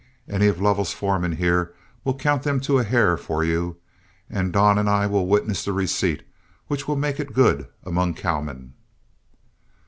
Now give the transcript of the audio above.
Any of Lovell's foremen here will count them to a hair for you, and Don and I will witness the receipt, which will make it good among cowmen."